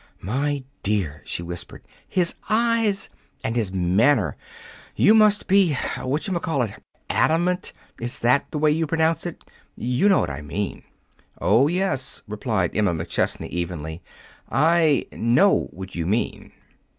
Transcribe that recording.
"My dear," she whispered, "his eyes! And his manner! You must be whatchamaycallit adamant. Is that the way you pronounce it? You know what I mean." "Oh, yes," replied Emma McChesney evenly, "I know what you mean."